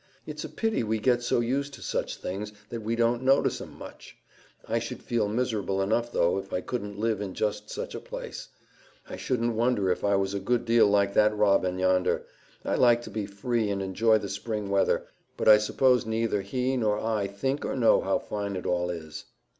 "It's a pity we get so used to such things that we don't notice 'em much. I should feel miserable enough, though, if I couldn't live in just such a place. I shouldn't wonder if I was a good deal like that robin yonder. I like to be free and enjoy the spring weather, but I suppose neither he nor I think or know how fine it all is."